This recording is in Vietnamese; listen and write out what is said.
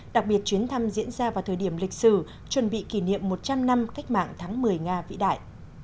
đặc biệt chuyến thăm diễn ra vào thời điểm lịch sử chuẩn bị kỷ niệm một trăm linh năm cách mạng tháng một mươi nga vĩ đại